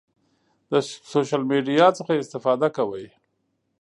د سوشل میډیا څخه استفاده کوئ؟